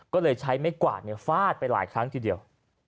ก็เลยใช้ไม้กวาดฟาดไปหลายครั้งทีเดียว